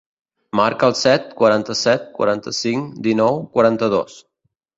Marca el set, quaranta-set, quaranta-cinc, dinou, quaranta-dos.